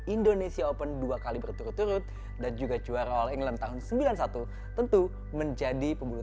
indonesia open dua kali berturut turut dan juga juara oleh england tahun sembilan puluh satu tentu menjadi pembuluh